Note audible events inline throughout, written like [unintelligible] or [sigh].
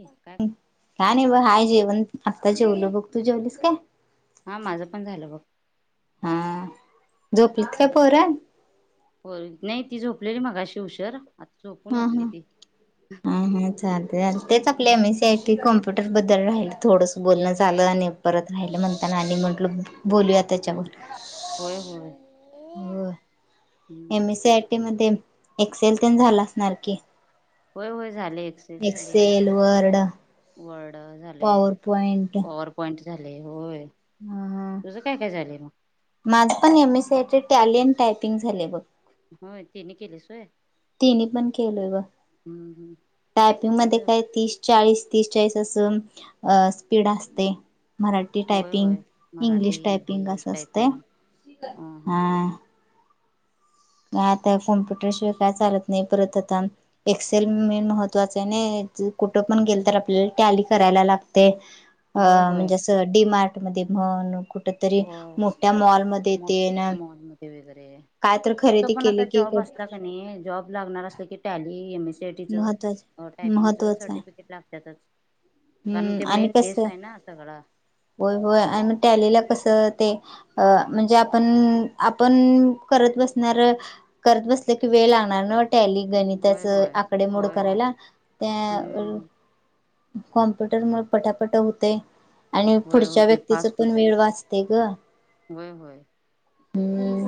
काय काय नाय बघ हाय जेवण, आता जेवलो बघ तू जेवलीस काय? हा माझं पण झालं बग. हा, झोपलित का पोर? हो, नाही ती झोपलेली मगाशी उशेर. ह-ह, ह-ह चालते आ, तेचा क्लेम हे सेस ते कॉम्प्युटर बद्दल राहिल थोडंसं बोलणं आलं आणि परत राहिलं म्हणताना आणि म्हंटल बोलूया त्याच्यावर, ह होय [unintelligible] होय होय, एस. हम्म एस. सी. आय. टी. मध्ये एक्सेल तेण झाल असणार की? होय-होय झाले एक्सेलच ले वर्ड पावर पॉइंट झालय होय. तुझं काय काय झालंय मग? माझ पण एम एस आयच टॅलियन टायपिंग झालय बघ. होय तिनी केलीस होय. तिनी पण केलोय बग, हम्म हम्म टायपिंग मध्ये माझं काय तीस, चाळीस तीस, चाळीस असं अ स्पीड असतय. मराठी होय टायपिंग, होय मराठी इंग्लिश टायपिंग इंग्लिश असं असत. टायपिंग ह ह हां. आता कॉम्प्युटरशिवाय काय चालत नाही परत आता एक्सेल मेन महत्वाच आहे नाही कुठं पण गेल तर आपल्याला टॅली करायला लागतय अ होय होय म्हणजे असं डी मार्ट मध्ये म्हण कुठ होय मोठ्या मॉलमध्ये मग तेन मॉलमध्ये वगैरे काय तर कुठं खरेदी पण केले आता की जॉब असला कने जॉब लागणार असला की Tally M S C IT C महत्वाच टीच, टायपिंग च महत्त्वाचं आहे सर्टिफिकेट लागत्यातच. कारण ते हम्म आणि मेन बेस कसं आहे ना सगळ. होय होय आणि टॅली ला कसं ते म्हणजे आपण - आपण करत बसणार करत बसलं की वेळ लागणार नव्ह टॅली होय गणिताचं होय आकडे मोड होय होय. करायला त्या हम्म कॉम्प्युटर मूळ पटापट होतय आणि वय पुढच्या होते व्यक्तीच फास्ट पण होते वेळ वाचतय ग. वय होय हम्म.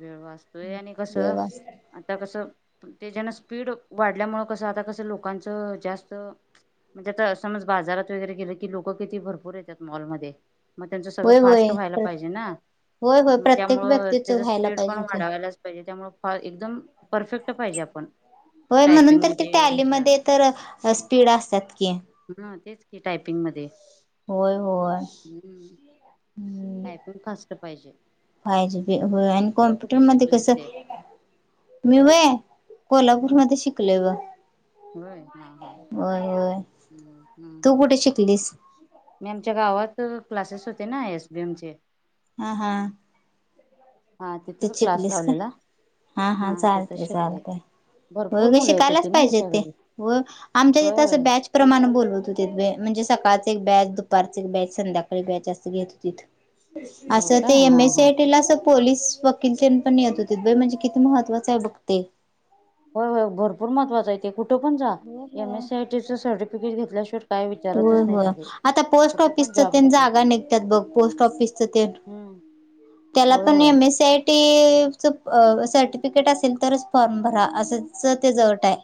वेळ वाचतोय आणि वेळ कसं वाचते आता कसं पण तेच्याना स्पीड वाढल्यामुळ कसं आता कसं लोकांचं जास्त म्हणजे आता समज बाजारात वगैरे गेलं की लोक किती भरपूर येत्यात मॉलमध्ये मग त्यांचं सगळं होय होय फास्ट व्हायला पाहिजे ना. होय होय मग प्रत्येक त्यामुळं व्यक्तीच त्याच व्हायला स्पीड पण पाहिजे ते वाढवायलाच पाहिजे. त्यामुळे एकदम परफेक्ट पाहिजे आपण होय. म्हणून टायपिंग तर ते मध्ये ह्याच्यात टॅलीमध्ये तर स्पीड असतात की. हम तेच की टायपिंग मध्ये होय होय. हम्म हम्म टायपिंग फास्ट पाहिजे. फाय जी बी हो आणि तू कुठे कॉम्प्युटरमध्ये शिकलेस ते कसं मी व्हय कोल्हापूरमध्ये शिकलोय बग होय हा हा होय होय. हम्म तू हम्म कुठे शिकलीस? मी आमच्या गावात क्लासेस होते ना एस बी एमचे. हां हां. हा तिथेच क्लास लावलेला हा हा तिथंच चालतय शिकले चालतय भरपूर होय बाई मुलं येत होती शिकायलाच नाही पाहिजे ते, सगळी आमच्या होय तिथे होय असं बॅच प्रमाणे बोलवत होतीत बघ म्हणजे सका सकाळचं एक बॅच, दुपारच एक बॅच, संध्याकाळी बॅच अस घेत होतीत. हो असं का ते एम हा एस सी हा आय टी ला अस पोलीस वकील तेन पण येत होतीत बाई, म्हणजे किती महत्त्वाच आहे बघ ते. होय होय भरपूर महत्वाचचा आहे ते कुठं पण जा होय एम होय एस सी आयटीच सर्टिफिकेट घेतल्याशिवाय काय होय विचारतच नाहीत होय आधी आता पोस्ट कुठे ऑफिसच जॉब पण साठी जागा निघतात बघ पोस्ट ऑफिसच तेन हम्म. त्याला पण M S C I T certificate असेल तरच फॉर्म भरा अस तेज अट आहे.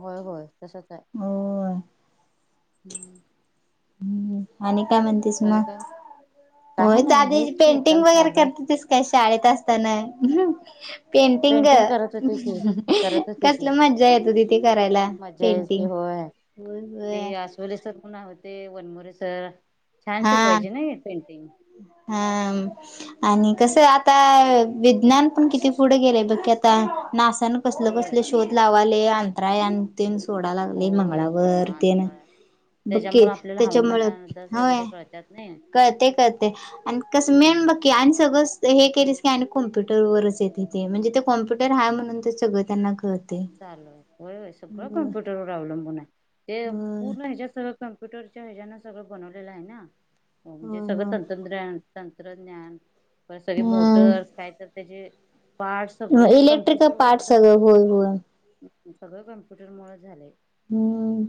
होय होय तसच आहे. होय हूम. हूम आणि काय म्हणतेस मग? काय होय नाही हेच दादयाची की आता पेंटिंग वगैरे चालू आहे करती तीस काय? शाळेत असताना पेंटिंग ग! करत होते की करत होते की कसल मजा येत होती, ते करायला मज्जा यायची पेंटिंग होय होय होय ते आस्वले सर म्हणून होते, वनमोरे सर छान हा शिकवायचे नाही पेंटिंग हाम. आणि कसं आता विज्ञान पण, किती पुढे गेलंय बघ की आता? नासान कसल होय बसल शोध लावालय. रा यान तेन हो- सोडाय लागलय होय होय मंगळावर तेन अंतराळ बककी त्याच्यामुळ जगरे कळत्यात नाही. कळतय कळतय आणि कसं मेन हम्म बकी आणि सगळं. हे केलीस की आणि कॉम्प्युटरवरच येतय, ते म्हणजे ते कॉम्प्युटर हाय म्हणून ते सगळं त्यांना कळतय. चालू हाय, व्हय व्हय सगळं होय कॉम्प्युटर वर अवलंबून, आहे ते होय पूर्ण ह्याच्यात सगळ कम्प्युटरच्या हेज्याना, सगळं बनवलेलं हाय ना, म्हणजे होय सगळं होय तंत्रज्ञान तंत्रज्ञान, परत सगळे मोटर्स हम्म काय तर त्याचे पार्ट सगळे इलेक्ट्रिकल कम्प्युटरवर पार्ट सगळं होय होय. सगळं कम्प्युटर मुळ झालय. मग.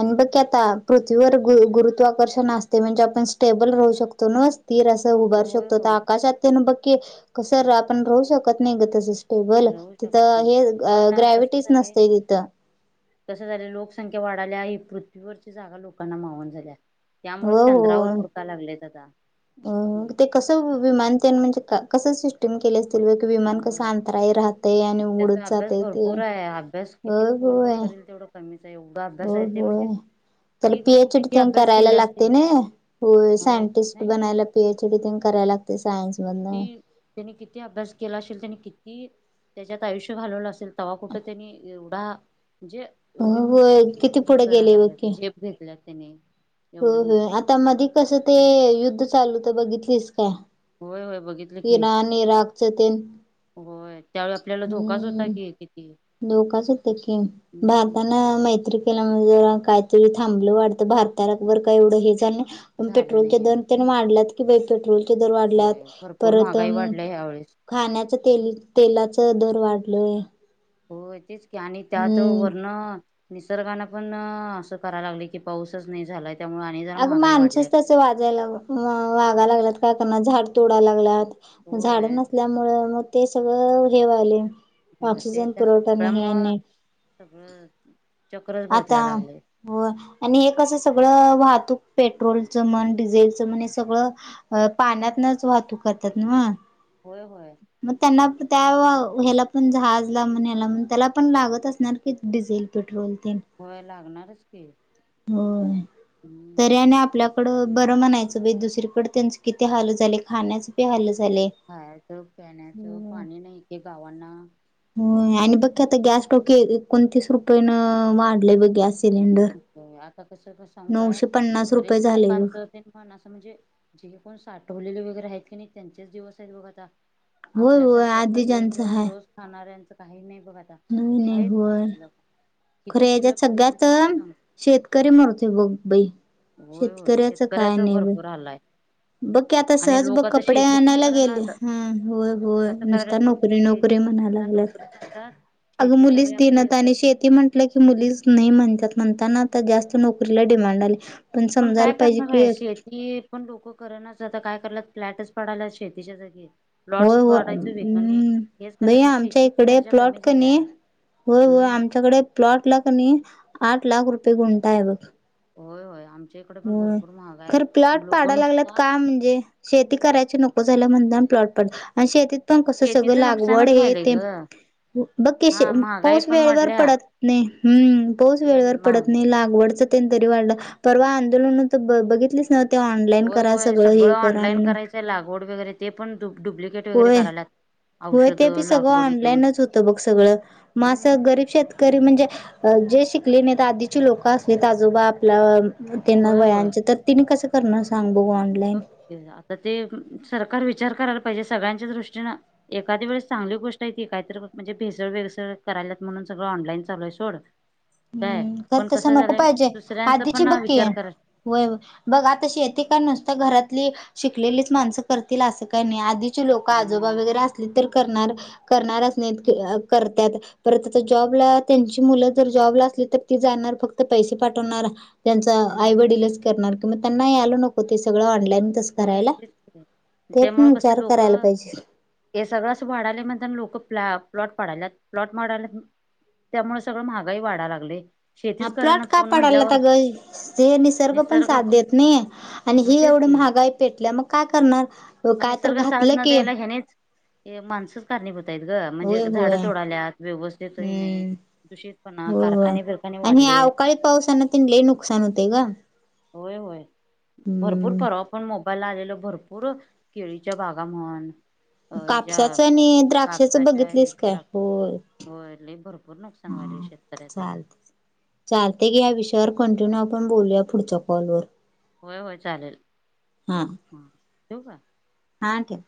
आणि बघ की आता, पृथ्वीवर गु गुरुत्वाकर्षण असतय म्हणजे आपण स्टेबल राहू शकतो न्हव. तीर असं उभारू होय शकतो, तर होय आकाशात तेन बघ की, कसं आपण राहू शकत नाही ग तस स टेबल, राहू शकत तिथं नाही हे च पण अ कसं ग्रॅव्हिटीच झालंय नसतय तिथं कसं झालं लोकसंख्या वाढाल्या ही पृथ्वीवरची जागा लोकांना मावण झाल्या, त्यामुळे हो हो चंद्रावर हुडका लागलेत आता [inaudible] मग ते कसं विमानते म्हणजे काय, कस सिस्टम केले, [unintelligible] विमान कस होय अंतराई राहतय आणि उघडत त्याचा अभ्यास जातय ते [inaudible] - [unintelligible] तेवढा कमीच आहे एवगा अभ्यास आहे ते म्हणजे. त्याला ती लोक पीएचडी किती ते अभ्यास करायला केले लागते असतील ना होय सायंटिस्ट बनायला पीएचडीतन करायला लागते. [inaudible] सायन्स ती मधन [inaudible] त्यांनी किती अभ्यास केला असेल त्यांनी किती, कि [inaudible] त्याच्यात आयुष्य घालवलं असेल तेव्हा कुठे त्यांनी एवढा, म्हणजे हो एवढी होय मोठी किती हे पुढे गेले करायला बघ की. लागली झेप घेतल्या त्याने, [inaudible] हो एवढी हो मोठी आता मध कसं ते युद्ध चालूत बघितलीस का होय होय बघितलं [inaudible] की इराणीआणि रागच ते होय त्यावेळी आपल्याला [inaudible] धोकाच होता हम् की किती धोकाच होते कि [inaudible] भार हम्म ताना [unintelligible] [unintelligible] काहीतरी थांबलं वाटतं भारताला बर काय एवढं हे - [unintelligible] झालं पेट्रोलच्या नाही दने मारलात की बा पेट्रोल पेट्रोल चे दर वाढल्यात होय [inaudible] भरपूर परत महागाई वाढल्या ह्यावेेळेस [inaudible] खाण्याच्या तेल तेलाचे [unintelligible] दर वाढलय, [inaudible] होय तेच की आणि त्यात वर्ण [inaudible] निसर्गाने पण असं करायला लागले की पाऊसच नाही झालाय, त्यामुळे आणि [inaudible] जरा अग महागाई वाढल्या माणसंच त्यास वाजायला वागा मग वागा लागलात काय करणार झाड तोडा लागलात, [inaudible] झाड होय नसल्यामुळे मग ते सगळं हेवाले [inaudible] होय ते त्या सगळ्यामुळं [inaudible] सगळं [inaudible] च आता [inaudible] हो [inaudible] आणि हे कसं सगळं, वाहतूक पेट्रच मन डीझेलचण सगळ पाण्यातनच वाहतूक कत्यात हम्म. होय होय. [unintelligible] ह्याला पण जहाजला म्हण ह्याला म्हण त्याला पण लागत असणार की डिझेल पेट्रोल तेन होय लागणारच की [unintelligible] हम्म तरी आणि आपल्या कड बरं म्हणायचं बाई दुसरीकडं तेन किती हाल झालंय खाण्याचं बी हाल झाले. खायचं पिण्याचं हम्म. पाणी नाही एकेक गावांना. होय आणि बघ की आता गॅस टॉकी एकोणतीस रुपयेनं वाढलंय बघ गॅस सिलेंडर. [unintelligible] [unintelligible] कसं क सांगू काय? नऊशे पन्नास गरीब रुपये झाले लोकांच बघ. तेन म्हण असं म्हणजे पण साठवलेले वगैरे आहेत की नाही त्यांचेच दिवस आहेत बघ आता होय होय आपल्यासारखे असं आधी रोज ज्यांचं मिळवून हाय रोज खाणाऱ्यांच काही नाही बघ आता नवीन आहे काहीच नाही होय. शिल्लक खरं किती शिल्लक याच्यात ठेवतील सगळ्यात तेवढं शेतकरी मरतोय बघ बाई. होय होय काय शेतकऱ्याचं नाही बाई. भरपूर हाल आहे. बघ की आता आणि सहज बघ लोक आता कपडे शेती पण आणायला गेले करनात हां होय होय कसं करायलात नुसता बघ की नोकरी नोकरी शेती म्हणा आता नोकरी लागल्यात म्हणतात अगं शेती सगळे मुलीच आपली देईनात असं आणि शेती म्हटलं की मुलीच नाही म्हणतात. म्हणताना आता जास्त नोकरीला डिमांड आलंय. पण काय करणार आहे शेती पण लोक करणाच आता काय कराल्यात फ्लॅटच पाडल्यात शेतीच्या जागी. होय प्लॉट्स हो पाडायचं विकणे हम्म हेच बाई कराल्यात मग आमच्या शेतीची इकडे दर्जा प्लॉट कमी क झाल्या नाही होय होय हम्म आमच्याकडे प्लॉटला क नाही आठ लाख रुपये गुंठा आहे बघ. होय होय आमच्या इकडे पण होय भरपूर महागाय आहे खरं प्लॉट आणि लोक पाडाय लागल्यात नुसता का म्हणजे शेती करायची नको झाल्या म्हणू दाम प्लॉट पाड आणि शेतीत पण कसं सगळं शेतीचं लागवड नुकसानच हे व्हायलय ते ग व बघ की हा शेम महागाई पाऊस पण वेळेवर वाढल्या पडत नाही हम्म पाऊस वेळेवर हम्म पडत महाग नाही लागवडच तेन तरी वाढलं परवा आंदोलन त ब बघितलीस ना ते ऑनलाईन होय करा होय हे सगळं करा ऑनलाईन म्हणून करायचंय लागवड वगैरे ते पण डूब डुब्लिकेट वगैरे होय करायल्यात. होय ते बी सगळं ऑनलाईनच होतं बघ सगळ मग हम्म असं गरीब शेतकरी म्हणजे जे शिक ले नाहीत आधीचे लोकं असलीत आजोबा आपला तेन होय होय वयांचे तर तिनी कसं करणार सांग? बघू ऑनलाईन [unintelligible] आता ते सरकार वि विचार करायला पाहिजे सगळ्यांच्या दृष्टीनें एखादी वेळेस चांगली गोष्ट आहेे की काहीतर म्हणजे भेसळ बेसळ करा यल्यात म्हणून सगळं ऑनलाईन चालू आहे सोड काय खरं पण तसं कसं नको झालंय पाहिजे दुसऱ्यांचा आधीची पण बघ की विचार करा होय बघ आता शेती काय नुसतं घरात ली शिकलेलीच माणसं करतील असं काही नाही आधीची लोकं आजोबा हम्म वगैरे असली तर करणार करणारच नाहीत अ करत्यात परत आता जॉबला त्यांची मुलं जर जॉबला असली तर ती जाणार फक्त पैसे पाठवणार त्यांचा हम्म आईवडीलच करणार मग त्यांना यायला नको ते सगळं ऑनलाईन तसं होय करायला? तेच की ते त्यामुळं पण कसं विचार लोक करायला पाहिजे. हे सगळं असं वाढलंय म्हणताना लोकं प प्लॉट पाडायल्यात प्लॉट माडाल्यात त्यामुळे सगळं महागाई वाढाय लागलंय. हां प्लॉट का पाडायल्यात अगं हे निसर्ग पण साथ देत नाही आणि मग ही तेच एवढी की महा गाई पेटल्या मग काय करणार? मग काय तर निसर्ग साथ घातलं न की द्यायला ह्यानेच हे माणसच कारणीभूत आहेत गं म्हणजे होय होय झाडं तोडाल्यात व्यवस्थित हे नाही हम्म दूषितपणा कारखाने बीरखाने वाढ ह्या अवकाळी पावसानं तेन लय नुकसान होतंय गं. होय होय भरपूर परवा [unintelligible] आलेलो भरपूर केळीच्या बागा म्हण. अ ह्याच्या कापसाचं आणि द्राक्षाच कापसाच्या हे बघितलीस काय? द्राक्ष होय. होय. लय भरपूर नुकसान झालय शेतकऱ्याच चालतय की या विषयावर कंटिन्यू आपण बोलूया पुढच्या कॉलवर होय होय चालेल. हा. ठेऊ का? हा ठेव.